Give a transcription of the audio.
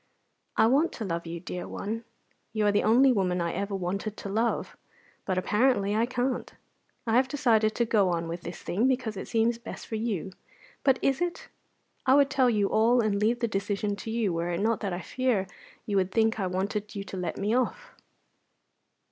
I want to love you, dear one; you are the only woman I ever wanted to love; but apparently I can't. I have decided to go on with this thing because it seems best for you; but is it? I would tell you all and leave the decision to you, were it not that I fear you would think I wanted you to let me off."